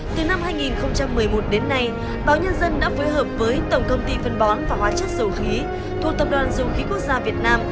từ năm hai nghìn một mươi một đến nay báo nhân dân đã phối hợp với tổng công ty phân bón và hóa chất dầu khí thuộc tập đoàn dầu khí quốc gia việt nam